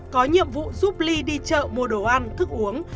có nhiệm vụ giúp ly đi chợ mua đồ ăn thức uống